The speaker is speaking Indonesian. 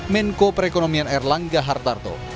menko perekonomian erlangga hartarto